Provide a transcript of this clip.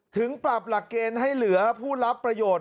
ถึงปรับหลักเกณฑ์ให้เหลือผู้รับประโยชน์